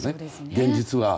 現実は。